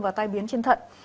và tai biến trên thận